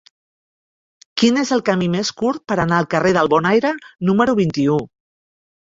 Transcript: Quin és el camí més curt per anar al carrer del Bonaire número vint-i-u?